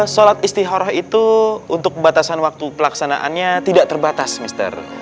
sholat istihoroh itu untuk batasan waktu pelaksanaannya tidak terbatas mr